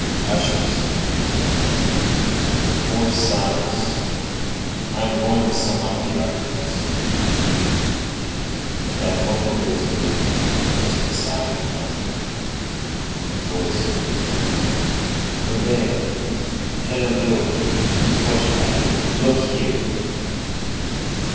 "Ushers," said the President, "enforce silence! I am going to sum up the arguments." At that moment there was a movement just beside the President; a voice was heard crying:— "Brevet! Chenildieu! Cochepaille! look here!"